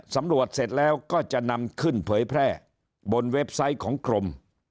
สำรวจเสร็จแล้วก็จะนำขึ้นเผยแพร่บนเว็บไซต์ของกรม